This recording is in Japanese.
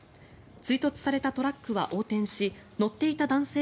追突されたトラックは横転し乗っていた男性